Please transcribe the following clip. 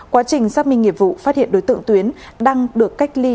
quá trình xác minh nghiệp vụ phát hiện đối tượng tuyến đang được cách ly